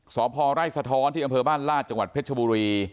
สพไร่สะท้อนที่อำเภอบ้านลาดจังหวัดเพชรบุรี